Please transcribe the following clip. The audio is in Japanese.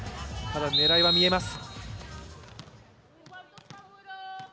ただ狙いは見えます。